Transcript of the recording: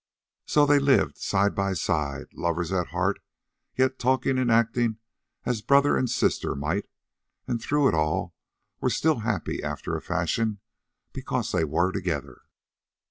So they lived side by side, lovers at heart, yet talking and acting as brother and sister might, and through it all were still happy after a fashion because they were together.